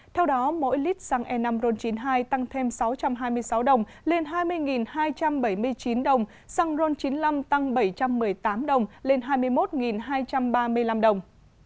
theo đó mỗi lít xăng e năm ron chín mươi hai tăng thêm sáu trăm hai mươi sáu đồng lên hai mươi hai trăm bảy mươi chín đồng xăng ron chín mươi năm tăng bảy trăm một mươi tám đồng lên hai mươi một hai trăm ba mươi năm đồng